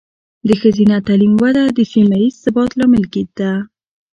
د ښځینه تعلیم وده د سیمه ایز ثبات لامل ده.